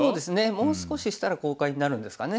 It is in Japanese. もう少ししたら公開になるんですかね。